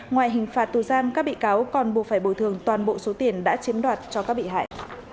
ngoài hình phạt tù giam các bị cáo còn buộc phải bồi thường toàn bộ số tiền đã chiếm đoạt cho các bị hại